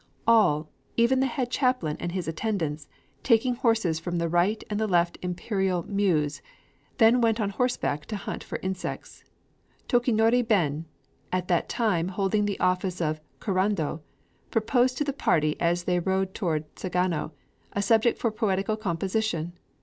All, even the head chaplain and his attendants, taking horses from the Right and the Left Imperial Mews, then went on horseback to hunt for insects. Tokinori Ben, at that time holding the office of Kurando, proposed to the party as they rode toward Sagano, a subject for poetical composition.